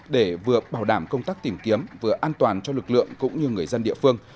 để vừa bảo đảm công tác tìm kiếm vừa an toàn cho lực lượng cũng như người dân địa phương